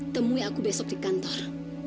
temui aku besok di kantor